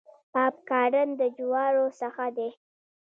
پاپ کارن د جوارو څخه دی.